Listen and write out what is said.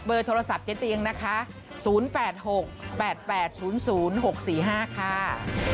โทรศัพท์เจ๊เตียงนะคะ๐๘๖๘๘๐๐๖๔๕ค่ะ